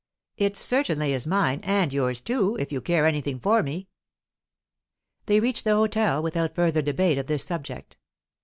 "It certainly is mine and yours too, if you care anything for me." They reached the hotel without further debate of this subject.